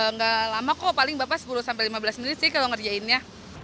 nggak lama kok paling bapak sepuluh sampai lima belas menit sih kalau ngerjainnya